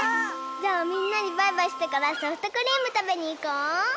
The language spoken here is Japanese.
じゃあみんなにバイバイしてからソフトクリームたべにいこう！